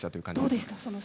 どうでしたか？